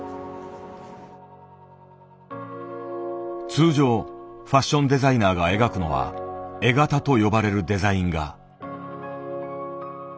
通常ファッションデザイナーが描くのは「絵型」と呼ばれるデザイン画。